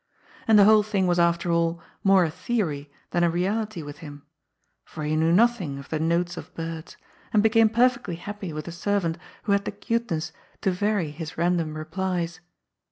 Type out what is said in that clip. And the whole thing was after all more a theory than a reality with him, for he knew nothing of the notes of birds, and became perfectly happy with a servant who had the cuteness to vary his random replies.